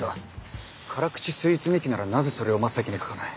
辛口スイーツ日記ならなぜそれを真っ先に書かない。